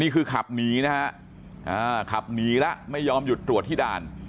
ขับหนีนะฮะขับหนีแล้วไม่ยอมหยุดตรวจที่ด่าน